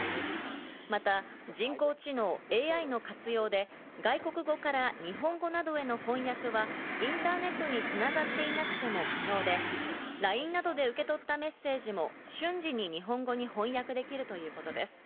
また人工知能＝ＡＩの活用で、外国語から日本語などへの翻訳はインターネットに繋がっていなくても可能で、ＬＩＮＥなどで受け取ったメッセージも瞬時に日本語に翻訳できるということです。